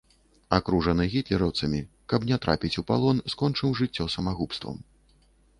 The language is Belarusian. Акружаны гітлераўцамі, каб не трапіць у палон, скончыў жыццё самагубствам.